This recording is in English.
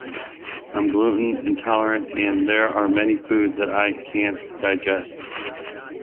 I'm gluten intolerant, and there are many foods that I can't digest.